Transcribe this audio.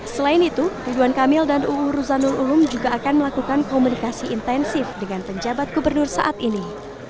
selain itu ridwan kamil dan uu ruzanul ulum juga akan melakukan komunikasi intensif dengan penjabat gubernur saat ini